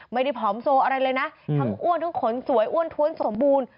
ไม่ได้ผอมโซอะไรเลยนะทำอ้วนทุ่งขนสวยอ้วนทวนสมบูรณ์